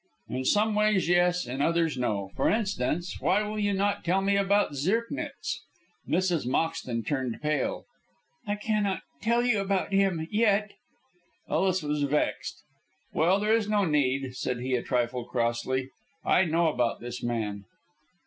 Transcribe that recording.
"In some ways, yes, in others, no. For instance, why will you not tell me about Zirknitz?" Mrs. Moxton turned pale. "I cannot tell you about him yet." Ellis was vexed. "Well, there is no need," said he, a trifle crossly. "I know about this man."